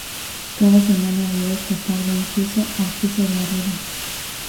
Cada semana deben escapar de un piso al piso de arriba.